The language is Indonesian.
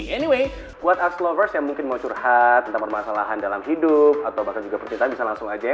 anyway what uplovers yang mungkin mau curhat tentang permasalahan dalam hidup atau bahkan juga percintaan bisa langsung aja ya